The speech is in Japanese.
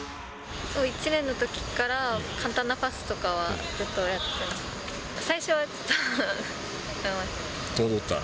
１年のときから、簡単なパスとかはずっとやってました。